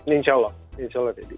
insya allah insya allah